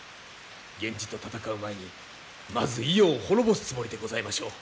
源氏と戦う前にまず伊予を滅ぼすつもりでございましょう。